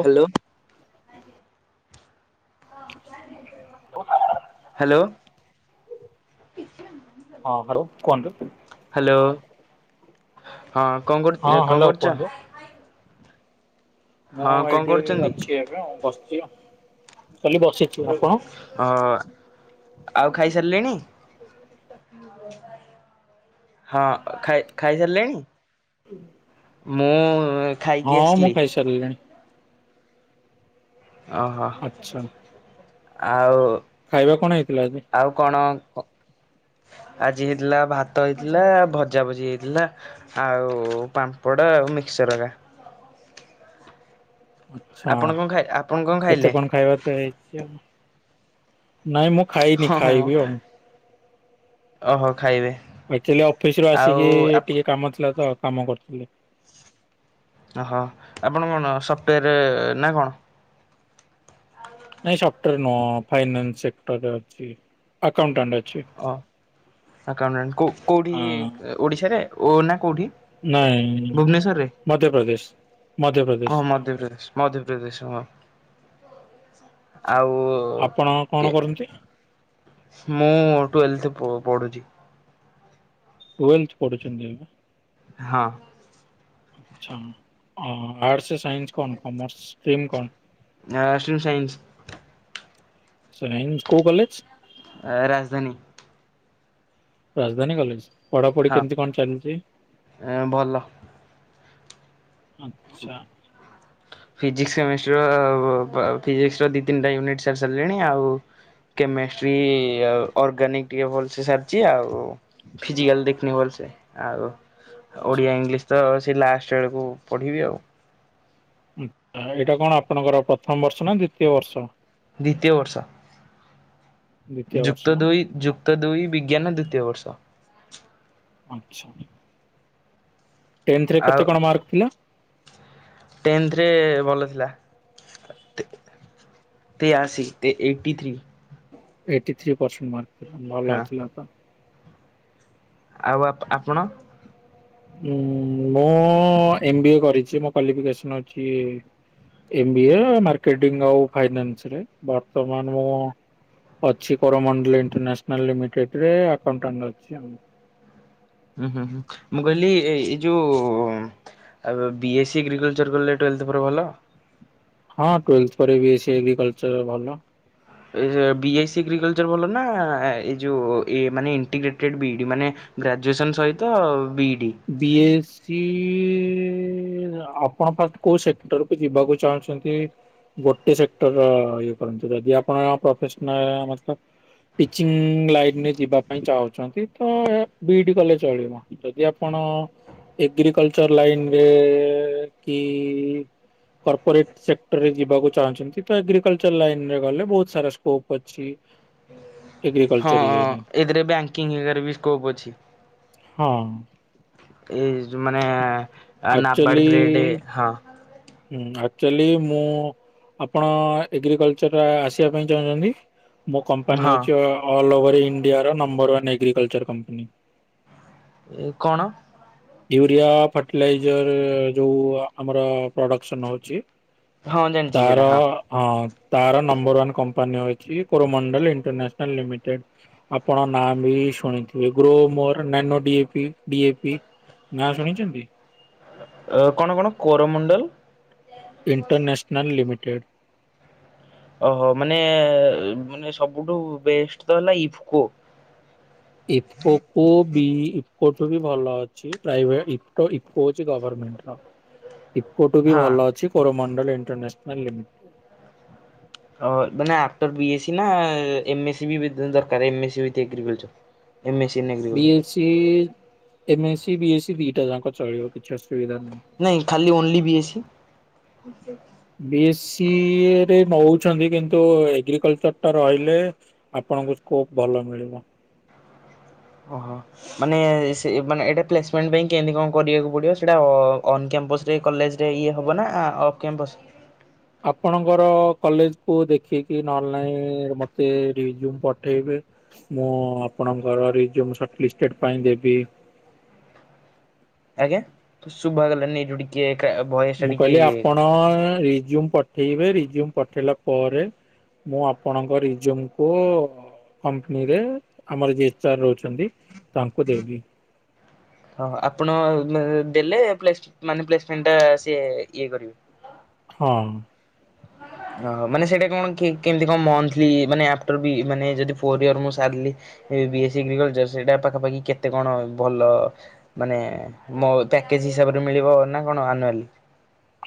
Hello. Hello. ହଁ hello କୁହନ୍ତୁ। Hello. ହଁ ହଁ କଣକ କଣ ହ୍ୟାଲୋ କରୁଛ? କୁହନ୍ତୁ। ହଁ ମୁଁ କଣ ଏଇଠି କରୁଛନ୍ତି? ଅଛି ଏବେଉ ବସିଛି ଆଉ। ଖାଲି ବସିଛୁ ଆଉ କଣ? ହଁ। ଆଉ ଖାଇସାରିଲେଣି। ହଁ ଖାଇ ଖାଇସାରିଲେଣି? ମୁଁ ଖାଇକି ଆସିଲି। ଚାଲିଲେଣି। ଅହଃ ଆଚ୍ଛା ଆଉ ଖାଇବା କଣ ହେଇଥିଲା ଆଜି? ଆଉ କଣ ଆଜି ହେଇଥିଲା ଭାତ ହେଇଥିଲା ଭଜା ଭଜି ହେଇଥିଲା। ଆଉ ପାମ୍ପଡ଼ ଆଉ ମିକ୍ସଚରଗା। ଆଛା ଆପଣ କଣ ଖାଇ ଆପଣ କଣ କେତେ ଖାଇଲେ? କଣ ଖାଇବା ତ ହେଇଛି ଆଉ? ନାଇଁ ମୁଁ ଖାଇନି ହଁ ହଁ ଖାଇବି ଆଉ। ଓହୋ ଖାଇବେ ଏକ୍ଚୁଲି ଅଫିସରୁ ଆଉ ଆସିକି ଟିକେ କାମ ଥିଲା ତ କାମ କରୁଥିଲେ। ଅହଃ ଆପଣ କଣ ସଫ୍ଟୱେର ନା କଣ? ନାଇଁ ସଫ୍ଟାର ନୁହଁ। ଫାଇନାନ୍ସ ସେକ୍ଟର ଅଛି। ଆକାଉଣ୍ଟାଣ୍ଟ ଅଛି। ଓ ଆକାଉଣ୍ଟ କୋ କୋଉଠି ଆଁ ଓଡିଶାରେ ଓ ନା କୋଉଠି? ନାଇଁ ଭୁବନେଶ୍ୱରରେ ମଧ୍ୟପ୍ରଦେଶ। ମଧ୍ୟପ୍ରଦେଶ ଓ ମଧ୍ୟପ୍ରଦେଶ ମଧ୍ୟପ୍ରଦେଶ ହଁ। ଆଚ୍ଛା ଆଉ ଆପଣ କଣ କେ କରନ୍ତି ମୁଁ ଟୁଏଲର୍ଥ ପ ପଢୁଛି। ଟୁଏଲ୍ର୍ଥ ପଢୁଛନ୍ତି ଏବେ। ହଁ। ଆଚ୍ଛା ଆର୍ଟସ, ସାଇନ୍ସ, କଣ କମର୍ସ ଷ୍ଟ୍ରିମ୍ କଣ? ନା ଆର୍ଟ୍ସଉ ସାଇନ୍ସ। ସୁନାଇନି କଉ କଲେଜ? ଆ ରାଜଧାନୀ। ରାଜଧାନୀ କଲେଜ ପଢାପଢି କେମିତି କଣ ଚାଲିଛି? ଆ ଭଲ। ଆଚ୍ଛା। ଫିଜିକସ କେମିଷ୍ଟିର ର ଫିଜିକ୍ସର ଦି ତିନିଟା ୟୁନିଟ୍ ସାର ସାରିଲିଣି ଆଉ କେମେଷ୍ଟ୍ରି ଆଉ ଅର୍ଗାନିକ ଟିକେ ଭଲ ସାରଛି ଫିଉିଜିକାଲ [unintelligible] ହଲ୍ ସେ। ଆଉ ଓଡ଼ିଆ ଇଂଲିଶ ତ ସେ ଲାଷ୍ଟକୁ ପଢ଼ିବି ଆଉ। ହୁଁ ଏଇଟା କଣ ଆପଣଙ୍କର ପ୍ରଥମ ବର୍ଷ ନା ଦ୍ଵିତୀୟ ବର୍ଷ? ଦ୍ୱିତୀୟ ବର୍ଷ ଦ୍ଵିତୀୟ ବର୍ଷ ଯୁକ୍ତ ନା? ଦୁଇ ଯୁକ୍ ଯୁକ୍ତ ଦୁଇ ବିଜ୍ଞାନ ଦ୍ୱିତୀୟ ବର୍ଷ। ଆଚ୍ଛା। ଟେନ୍ତ ରେ କେତେ କଣ ମାର୍କ ଥିଲା? ଟେନ୍ତରେ ଭଲ ଥିଲା। ତେଆସି eighty three. Eighty three percent mark ଥିଲା ହଁ ଭଲଥିଲା ତ। ଆଉ ଆପ ଆପଣ! ଉଁ ମୁଁ ଏମ ବି ଏ କରିଛି ମୋ କ୍ୱାଲିଫିକେସନ୍ ଅଛି। ମ୍ ଵି ଏ ଆଉ ମାର୍କେଟିଙ୍ଗ ଆଉ ଫାଇନାନ୍ସ ରେ ବର୍ତ୍ତମାନ ମୁଁ ଅଛି କରୋରମଣ୍ଡଲ ଇଣ୍ଟରନ୍ୟାସନାଲ ଲିମିଟେଡ ରେ [unintelligible] ହୁଁ ହୁଁ ହୁଁ ମୁଁ କହିଲି ଏଇ ଯୋଉ ଆଉ ବି ଏସି ସ ଏଗ୍ରିକଲଚର୍ କଲେ ଟୁଏଲ୍ଥ ପରେ ଭଲ। ହଁ ଟୁଏଥ୍ ପରେ ବି ଏଗ୍ରିକଲଚର ଭଲ। A B I C agriculture ଭଲ ନାଁ ଏ ଯଉ ମାନେ ଇଣ୍ଟିଗ୍ରେଟେଡ ବିଇଡି ମାନେ ଗ୍ରାଜୁଏସନ୍ ସହିତ ବିଇଡି। ବି ଏସ୍ ସି ଆପଣ ଫାଷ୍ଟ କୋଉ ସେକ୍ଟର କୁ ଯିବାକୁ ଚାହୁଁଛନ୍ତି। ଗୋଟେ ସେକ୍ଟର ଇଏ କରନ୍ତୁ ଯଦି ଆପଣ ପ୍ରଫେସନାଲ ମତ ପିଚିଂ ଲାଇନ୍ ରେ ଯିବା ପାଇଁ ଚାହୁଁଚନ୍ତି ତ ବିଡି କଲେ ଚଳିବ। ଆପଣ ଏଗ୍ରିକଲଚର ଲାଇନ୍ ରେ କି କର୍ପୋରେଟ ସେକ୍ଟରରେ ଯିବାକୁ ଚାହୁଁଛନ୍ତି ତ ଏଗ୍ରିକଲଚର ଲାଇନରେ ଗଲେ ବହୁତ୍ ସାରା ସ୍କୋପ ଅଛି। ଏଗ୍ରିକଲଚର ହଁ ଇଏରେ ଏଥିରେ ବ୍ୟାଙ୍କିଙ୍ଗ୍ ରେ ବି ସ୍କୋପ୍ ଅଛି। ହଁ। ଏଇ ମାନେ ନାବାଡ଼ ଗ୍ରେଡ଼୍ ଆକ୍ଚୁଆଲି ହଁ। ହୁଁ ଆକ୍ଚୋଲି ମୁଁ ଆପଣ ଏଗ୍ରିକଲଚର ଆସିବା ପାଇଁ ଚାହୁଁଚନ୍ତି। ମୋ କମ୍ପାନୀ ହଁ ହଉଚି ଅଲ ଓଭର ଇଣ୍ଡିଆର ନମ୍ବର ୱାନ୍ ଏଗ୍ରିକଲଚର କମ୍ପାନୀ। ଏ କଣ? ୟୁରିଆ ଫର୍ଟିଲାଇଜର ଯୋଉ ଆମର ପ୍ରଡକ୍ସନ ହଉଚି। ହଁ ଜାଣିଛି ସେଇଟା ତାର ହଁ ହଁ ତାର ନମ୍ବର ୱାନ କମ୍ପାନୀ ଅଛି କୋରମଣ୍ଡଲ ଇଣ୍ଟରନ୍ୟାସନାଲ୍ ଲିମିଟେଡ୍। ଆପଣ ନାଁ ବି ଶୁଣିଥିବେ ଗ୍ରୋ ମୋର ଡିଏପି ଡିଏପି। ନାଁ ଶୁଣିଚନ୍ତି। ଅ କଣ କଣ କୋରମଣ୍ଡଲ? ଇ ଣ୍ଟରନେସନାଲ୍ ଲିମିଟେଡ଼୍। ଓହୋ ମାନେ ମାନେ ସବୁଠୁ ବେଷ୍ଟ ତ ହେଲା ଇକୋ। ଇଫୋଫୋ ବି ଇପୋଟ୍ ବି ଭଲ ଅଛି। ଚି ପ୍ରାଇଭେଟେ ଇ କୋ ଗଭର୍ନମେଣ୍ଟ ର। ଇକୋଟୁ ବି ହଁ। ଭଲ ଅଛି କୋରମଣ୍ଡଲ ଇଣ୍ଟରନ୍ୟାସନାଲ୍ ଲିମିଟେ। [unintelligible] ବି [unintelligible] S C ଏମେ AC B S ଦିଟା ଯାକ ଚଳିବ। କିଛି ଅସୁବିଧା ନାହିଁ। ନାଇଁ ଖାଲି only B S C. B S ସିରେ ନଉଚନ୍ତି କିନ୍ତୁ ଏଗ୍ରିକଲଚର ଟା ରହିଲେ। ଆପଣଙ୍କୁ କୋବ ଭଲ ମିଳିବ। ଓହୋ। ମାନେ ସେ ମାନେ ଏଇଟା ପ୍ଲେସମେଣ୍ଟ ପାଇଁ କେମିତି କଣ କରିବାକୁ ପଡ଼ିବ ସେଇଟା ଅନ୍ କ୍ୟାମ୍ପସ। ସେ କଲେଜ ରେ ଇଏ ହେବ ନାଁ ଅ କ୍ୟାମ୍ପସ୍। ଆପଣଙ୍କର କଲେଜ କୁ ଦେଖିକି ନହେଲେ ନାଇଁ ମତେ ରିନୁ ପଠେଇବେ। ମୁଁ ଆପଣଙ୍କର [unintelligible] ପାଇଁ ଦେବି। ଆଜ୍ଞା ତ ଶୁଭାଗଲା [unintelligible] କିଏ କାବ୍ ମୁଁ କହିଲି ଆପଣ ରିଜୁମ୍ ପଠେଇବେ ରିଜୁମ୍ ପଠେଇଲା ପରେ ମୁଁ ଆପଣଙ୍କ ରିଜୁମ୍ କୁ କମ୍ପାନୀରେ ଆମର ଯିଏ ସାର୍ ରହୁଚନ୍ତି ତାଙ୍କୁ ଦେବି। ହଁ ଆପଣ ଦେଲେ ପ୍ଲେସ ମାନେ ପ୍ଲେସମେଣ୍ଟ ଟା ସିଏ ଇଏ କରିବେ ହଁ ଓ ମାନେ ସେଇଟା କଣ କେମିତି କଣ ମନ୍ଥଲି ମାନେ ଆଫ୍ଟର ବି ମାନେ ଯଦି ଫୋର୍ ଇୟର ମୁଁ ସାରିଲି ଏ ବି ଏସ୍ ଏଗ୍ରିକଲଚର ସେଇଟା ପାଖାପାଖି କେତେ କଣ ଭଲ ମାନେ ମୋ ପ୍ୟାକେଜ୍ ହିସାବରେ ମିଳିବ ନା କଣ ଆନୁଆଲି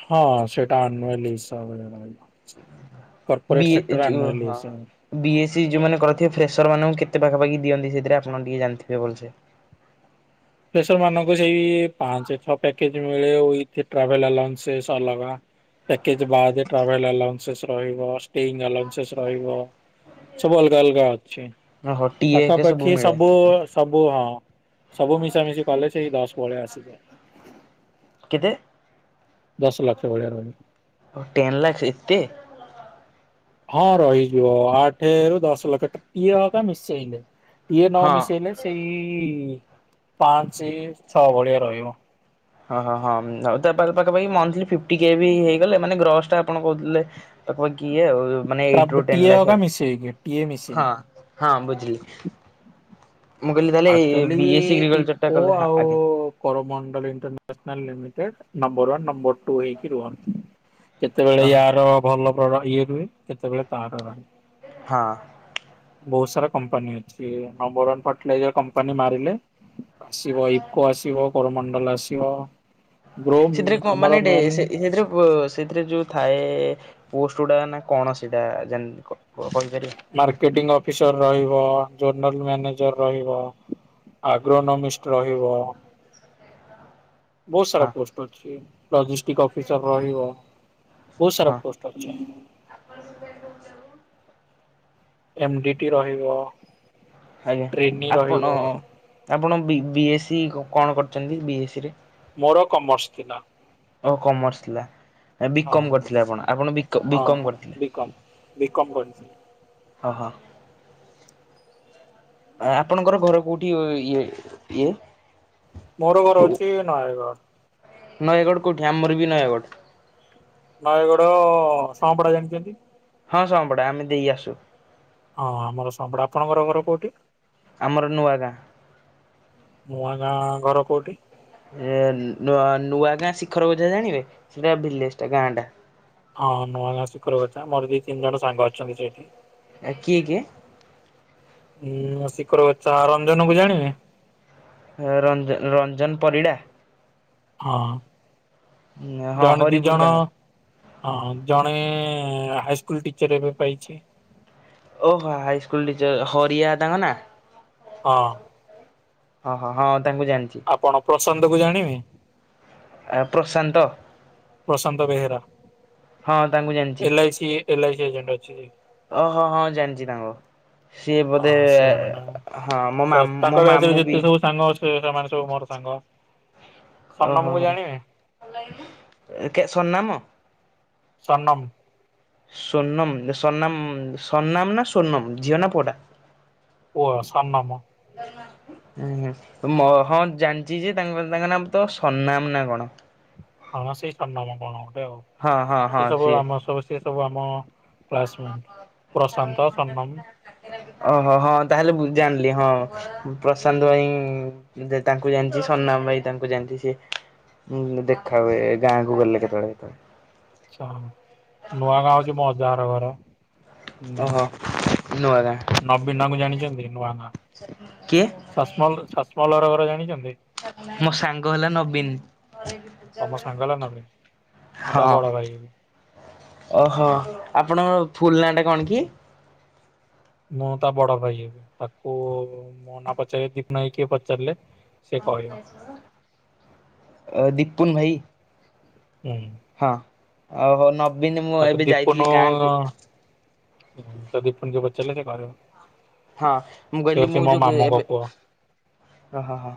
ହଁ ସେଇଟା ଆନୁଆଲି ହିସାବରେ ରହିବ ବି କର୍ପୋରେଟ ସେକ୍ଟରରେ ଯୋଉ ଆନୁଆଲି ହଁ। ହିସାବ ବି ଏ ସି ଯୋଉମାନେ କରିଥିବେ ଫ୍ରେସର ମାନଙ୍କୁ କେତେ ପାଖାପାଖି ଦିଅନ୍ତି ସେଥିରେ ଆପଣ ଟିକେ ଜାଣିଥିବେ ଭଲ ସେ ଫ୍ରେସର ମାନଙ୍କୁ ସେଇ ପାଞ୍ଚ ଛଅ ପ୍ୟାକେଜ ମିଳେ ୱିକ ଟ୍ରାଭେଲ ଆଲାଉନସେନ୍ସ ଅଲଗା ପ୍ୟାକେଜ ବାଦେ ଟ୍ରାଭେଲ ଆଲାଉନସେନ୍ସ ରହିବ ଷ୍ଟ୍ରିଙ୍ଗ ଆଲାଉନସେନ୍ସ ରହିବ ସବୁ ଅଲଗା ଅଲଗା ଅଛି ଓହୋ ଟି ଏ ହେରିକା ପାଖାପାଖି ମିଳେ ସବୁ ସବୁ ହଁ ସବୁ ମିଶାମିଶି କଲେ ସେଇ ଦଶ ଭଳିଆ ଆସିଯାଏ କେତେ ଦଶ ଲକ୍ଷ ଭଳିଆ ରହେ ଓ ଟେନ୍ ଲାଖ ଏତେ ହଁ ରହିଯିବ ଆଠ ରୁ ଦଶ ଲକ୍ଷ ଇଏ ହକା ମିଶେଇଲେ ଇଏ ନ ହଁ ମିଶେଇଲେ ସେଇ ପାଞ୍ଚ ଛଅ ଭଳିଆ ରହିବ ହଁ ହଁ ହଁ ଆଉ ତା ପାଖପାଖି ମନ୍ଥଲି ଫିଫ୍ଟୀ କେ ବି ହେଇଗଲେ ମାନେ ଗ୍ରସ୍ ଟା ଆପଣ କହୁଥିଲେ ତାକୁ ଆଉ କିଏ ଆଉ ମାନେ ତାପ ଏଇଟି ରୁ ଟେନ ଟିଏ ଲାକ୍ଷେ ହକା ଆଉ ମିଶେଇକି ଟିଏ ହଁ ମିଶେଇକି। ହଁ ବୁଝିଲି ମୁଁ କହିଲି ତାହେଲେ ଆକ୍ଚୁଆଲି ବି ଏ ସି ଏଗ୍ରୀ କଲଚର ଟା ଇଫକୋ କଲେ ହଁ ଆଉ ଆଜ୍ଞା Coromandel international limited number one number two ହେଇକି ରୁହନ୍ତି କେତେବେଳେ ଓହୋ ୟାର ଭଲ ପ୍ର ଇଏ ରୁହେ କେତେବେଳେ ତାର ରହେ ହଁ ବହୁତ ସାରା କମ୍ପାନୀ ଅଛି ନମ୍ବରୱାନ ପଟନାୟ କମ୍ପାନୀ ମାରିଲେ ଆସିବ ଇକୋ ଆସିବ କରମଣ୍ଡଲ ଆସିବ ଗ୍ରୋ ସେଥିରେ କଣ ଆମର ମାନେ ଡେ ମେନ୍ ସେ ସେଥିରେ ସେଥିରେ ଯୋଉ ଥାଏ ପୋଷ୍ଟ ଗୁଡା ନା କଣ ସେଇଟା ଜାଣିନି କ କହିପାରିବେ ମାର୍କେଟିଙ୍ଗ ଅଫିସର ରହିବ ଜର୍ନାଲ ମ୍ୟାନେଜର ରହିବ ଆଗ୍ରନ ମିଷ୍ଟ ରହିବ ବହୁତ ସାରା ହଁ ପୋଷ୍ଟ ଅଛି ଲଜେଷ୍ଟିକ ଅଫିସର ରହିବ ବହୁତ ସାରା ହଁ ପୋ ଷ୍ଟ ଅଛି ଏମ ଡି ଟି ରହିବ ଆଜ୍ଞା ଟ୍ରେନିଂ ଆପଣ ରହିବ ଆପଣ ବି ବି ଏସ୍ ସି କଣ କରିଛନ୍ତି ବି ଏସ୍ ସି ରେ ମୋର କମର୍ସ ଥିଲା ଓ କମର୍ସ ଥିଲା ହଁ ବିକମ୍ କରିଥିଲେ ଆପଣ ଆପଣ ବିକ ବିକମ୍ ହଁ କରିଥିଲେ ବିକମ୍ ବିକମ୍ କରିଥିଲି ହଁ ହଁ ଆ ଆପଣଙ୍କର ଘର କୋଉଠି ଇଏ ଇଏ ମୋର ଘର ହଉଛି ନୟାଗଡ଼ ନୟାଗଡ଼ କୋଉଠି ଆମର ବି ନୟାଗଡ଼ ନୟାଗଡ ସଅଁପଡା ଜାଣିଛନ୍ତି ହଁ ସଅଁପଡା ଆମେ ଦେଇ ଆସୁ ହଁ ଆମର ସଅଁପଡା ଆପଣଙ୍କର ଘର କୋଉଠି ଆମର ନୂଆ ଗାଁ ନୂଆ ଗାଁ ଘର କୋଉଠି ଏ ନୂଆ ନୂଆ ଗାଁ ଶିଖର ଗଜା ଜାଣିବେ ସେଟା ଭିଲେଜ ଟା ଗାଁ ଟା। ହଁ ହଁ ନୂଆ ଗାଁ ଶିଖର ଗଛା ମୋର ଦିଇ ତିନି ଜଣ ସାଙ୍ଗ ଅଛନ୍ତି ସେଇଠି। ଆ କିଏ କିଏ? ହୁଁ ଶୀଖର ଗଛା ରଞ୍ଜନକୁୁ ଜାଣିବେ? ରଞ୍ଜ ରଞ୍ଜନ ପରିଡ଼ା। ହଁ ହଁ ଜଣେ ଦି ହରିପୁର ଜଣ ହଁଁ ତାଙ୍କର। ହଁଁ ଜଣେ ହାଇସ୍କୁଲ ଟିଚର୍ ଏବେ ପାଇଛି। ଓହୋ ହାଇ ସ୍କୁଲ ଟିଚର ହରିଆ ତାଙ୍କ ନା? ହଁ। ଓ ହୋ ହଁ ତାଙ୍କୁ ଜାଣି ଆପଣ ପ୍ରଶାନ୍ତ କୁ ଜାଣିବେ? ଆ ପ୍ରଶାନ୍ତ? ପ୍ରଶାନ୍ତ ବେହେରା ହଁ ତାଙ୍କୁ ଜାଣିଛି। L I C L I C agent ଅଛି। ଓହୋ ହଁ ଜାଣିଛି ତାଙ୍କ। ସିଏ ବୋଧେ ହଁ ସେ ମାନେ ହଁ ମୋ ମା ତାଙ୍କ ମୋ ବ୍ୟାଚରେ ମାମୁଁ ଯେତେ ବି। ସବୁ ସାଙ୍ଗ ସେ ସେମାନେ ସବୁ ମୋର ସାଙ୍ଗ। ଓହୋ ସନମକୁ ଜାଣିବେ ହୋ କେ ସର୍ନାମ? ସନମ୍। ସୁର୍ନମ ସନାମ ସର୍ନାମ ନା ସୁ୍ର୍ଣମ ଝିଅ ନା ପୁଅଟା? ପୁଅ ସନମ। କର ମା ଆଜ୍ଞା ମ ହଁ ଜାଣିଛି ଯେ ତାଙ୍କ ତାଙ୍କ ନାଁ ତ ସନାମ ନା କଣ? ହଁ ସେଇ ସନାମ କଣ ଗୋଟେ ଆଉ ହଁ ହଁ ସେ ହଁ ସବୁ ସିଏ। ଆମ ସବୁ ସେ ସବୁ ଆମ କ୍ଲାସମେଣ୍ଟ ପ୍ରଶାନ୍ତ, ସନମ। ଓହୋ ହଁ ତାହେଲେ ବୁ ଜାଣିଲି ହଁ ପ୍ରଶାନ୍ତ ଭାଇ ଯେ ତାଙ୍କୁ ଜାଣିଛି ସନାମ ଭାଇ ତାଙ୍କୁ ଜାଣିଛି ସିଏ ହୁଁ ଦେଖା ହୁଏ ଗାଁ କୁ ଗଲେ କେତେବେଳେ ହେତଳେ। ଆଛା ନୂଆ ଗାଁ ହୋଉଛି ମୋ ଅଜାହର ଘର। ଓହୋ ନୂଆ ଗାଁ। ହୁଁ ନବୀନାଙ୍କୁ ଜାଣିଛନ୍ତି ନୂଆଗାଁ କିଏ ସାସମଲ ସାସମଲହର ଘର ଜାଣିଛନ୍ତି? ମୋ ସାଙ୍ଗ ହେଲା ନବୀନ। ତମ ସାଙ୍ଗ ହେଲା ନବୀନ ମୁଁ ତା ହଁ। ବଡ ଭାଇ ହେବି। ଓହୋ ଆପଣଙ୍କ ଫୁଲ ନାଁଟା କଣ କି? ମୁଁ ତା ବଡ ଭାଇ ତାକୁ ମୋ ନାଁ ପଚାରିବେ ଦୀପୁନା ଭାଇ କିଏ ପଚାରିଲେ। ସେ କହିବ ଅ ଦିପୁନ ଭାଇ ହୁଁ। ହଁ ଆଉ ହଉ ନବୀନ ମୁଁ ତାକୁ ଏବେ ଯାଇଥିଲି ଗାଁକୁ ତାକୁ ଦୀପୁନ କିଏ ପଚାରିଲେ ସିଏ କହିବ। ହଁ ମୁଁ ସେ କହିଲି ହଉଛି ମୁଁ ମୋ ଯୋଗୁ ମାମୁଙ୍କ ଏବେ ପୁଅ ହଁ ହଁ ହଁ।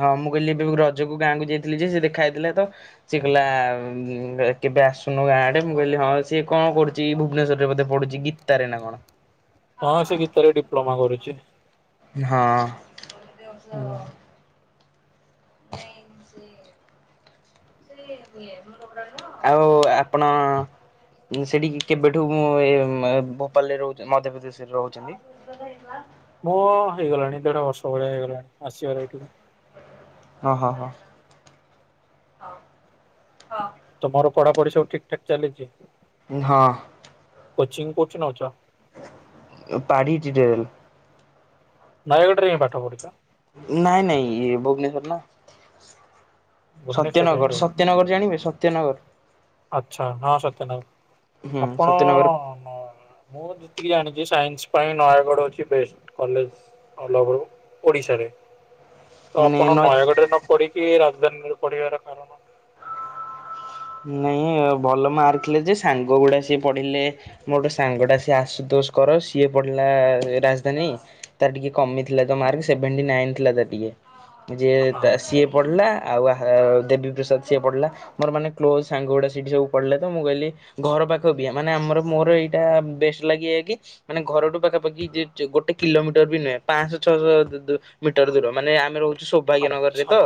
ହଁ ମୁଁ କହିଲି ଏବେକୁ ରଜକୁ ଗାଁକୁ ଯାଇଥିଲି ଯେ ସେ ଦେଖା ହେଇଥିଲା ତ ସିଏ କହିଲା କେବେ ଆସୁନଉ ଗାଁ ଆଡେ ମୁଁ କହିଲି ହଁ ସିଏ କଣ କରୁଛିକି ଭୁବନେଶ୍ୱରରେ ବୋଧେ ପଢୁଛି ଗୀ ତା ରେ ନା କଣ? ହଁ ସେ ଗୀତା ରେ ଡିପ୍ଲୋମା କରୁଛି। ହଁ। ହଁ। [unintelligible] ଆଉ ଆପଣ ଯୋ ସେଠିକି କେବେଠୁ ମୁଁ ଭୋପାଳରେ ରହୁ ମଧ୍ୟପ୍ରଦେଶରେ ରୋହୁଚନ୍ତି? [unintelligible] ମୁଁ ହେଇଗଲାଣି ଦେଢ ବର୍ଷ ଭଳିଆ ହେଇଗଲାଣି ଆସିବାର ଏଇଠିକି। ହଁ ହ ହ। ତମର ପଢାପଢି ସବୁ ଠିକ ଠାକ ଚାଲିଚି? ହଁ। କୋଚିଂ କୋଉଠି ନୋଉଚ? ବାଡ଼ି ଜିଡେଲ୍। ନୟାଗଡ଼ ରେ ହିଁ ପାଠ ପଢୁଚ? ନାଇଁ ନାଇଁ ଇଏ ଭୁବନେଶ୍ଵର ନା ଭୁବନେଶ୍ୱରରେ ହିଁ ସତ୍ୟନଗର ସ ରହୁଛ? ସତ୍ୟନଗର ଜାଣିବେ ସତ୍ୟନଗର? ଆଚ୍ଛା ହଁ ହୁଁ ସତ୍ୟନଗର ସତ୍ୟନଗର ଆପଣ ମୁଁ ଯେତିକି ଜାଣିଚି ସାଇନ୍ସ ପାଇଁ ନୟାଗଡ଼ ଅଛି ବେଷ୍ଟ କଲେଜ। [unintelligible] ଓଡିଶାରେ। ତ ଆପଣ ନୟାଗଡ ରେ ନ ପଢିକି ରାଜଧାନୀରେ ପଢିବାର କାରଣ? ନାଇଁ ଭଲ ମାର୍କ [unintelligible] ଯେ ସାଙ୍ଗ ଗୁଡା ସିଏ ପଢ଼ିଲେ ମୋର ଗୋଟେ ସାଙ୍ଗ ଟା ସିଏ ଆସୁଦୋଷ କର ସିଏ ପଢିଲା ରାଜଧାନୀ। ତାର ଟିକେ କମିଥିଲା ତ ମାର୍କ ସେଭେଣ୍ଟି ନାଇନ ଥିଲା ତାର ଟିକେ। ଯିଏ ହଁ ତା ସିଏ ପଢିଲା ଆଉ ଦେବୀ ପ୍ରସାଦ ସିଏ ପଢିଲା ମୋର ମାନେ ମୋ ସାଙ୍ଗଗୁଡ଼ା ସେଠି ସବୁ ପଢିଲେ ତ ମୁଁ କହିଲି ଘର ପାଖ ବି ମାନେ ଆମର ମୋର ଏଇଟା ବେଷ୍ଟ ଲାଗିଇଏକି? ମାନେ ଘରଠୁ ପାଖାପାଖି ଗୋଟେ କିଲୋମିଟର ବି ନୁହେଁ ପାଆଁଶ ଛଅଶଦୁ ମିଟର ଦୂର ମାନେ ଆମେ ରହୁଚୁ ସୌଭାଗ୍ୟ ନଗରରେ ଆଚ୍ଛା ତ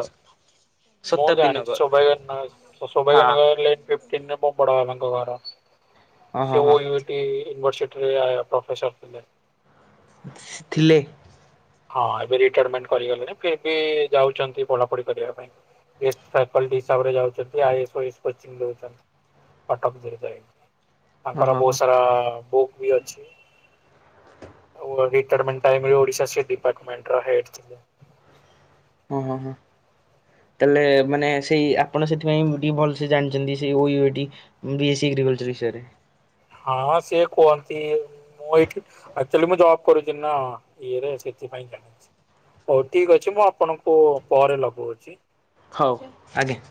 ଶତାବ୍ଦୀ ନଗର। [unintelligible] ତ ଶୋଭାଗ୍ୟ ହଁ ନଗର ଲାଇନ ଫିପଟିନ୍ ରେ ମୋ ବଡ଼ବାପା ଙ୍କ ଘର ସେ। ହଁ ହଁ ହଁ। [unintelligible] ର୍ସିଟି ଇନଭରସିଟରେ ପ୍ରଫେସର ଥିଲେ। ଥିଲେ? ହଁ ଏବେ ରିଟାୟାରମେଣ୍ଟ କରିଗଲେଣି ଫେ ବି ଯାଉଚ ନ୍ତି ପଢାପଢି କରିବା ପାଇଁ। [unintelligible] କଟକ [unintelligible] ତାଙ୍କର ଓହୋ ହୋ। ବୋହୁତ ସାରା ବୁକ୍ [unintelligible] [unintelligible] [unintelligible] ତାଲେ ମାନେ ସେଇ ଆପଣ ସେଥିପାଇଁ ଟିକେ ଭଲସେ ଜାଣିଚନ୍ତି ସେ [unintelligible] ବି ଏସ୍ ସି ଏଗ୍ରିକଲଚର ବିଷୟରେ। ହଁ ସେ କୁଅନ୍ତି। ମୁଁ ଏଇଠି ଆକ୍ଚୁଆଲି ମୁଁ ଜବ୍ କରୁଚି ନା ଇଏରେ ସେଥିପାଇଁ ଜାଣିଚି। ହୋଉ ଠିକ ଅଛି ମୁଁ ଆପଣଙ୍କୁ ପରେ ଲଗଉଚି। ହଉ ଆଜ୍ଞା।